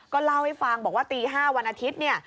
ก็เล่าให้ฟังบอกว่าตี๕วันอาทิตย์เนี่ย